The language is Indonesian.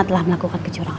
telah melakukan kecurangan